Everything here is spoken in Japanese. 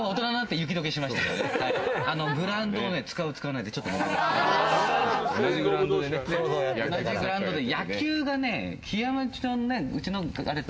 グラウンドを使う、使わないでちょっともめて。